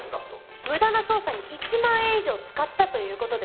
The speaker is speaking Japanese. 無駄な捜査に１万円以上使ったということですね。